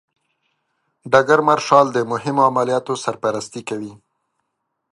ډګر مارشال د مهمو عملیاتو سرپرستي کوي.